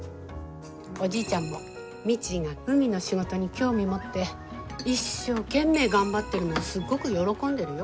おじいちゃんも未知が海の仕事に興味持って一生懸命頑張ってるのすっごく喜んでるよ？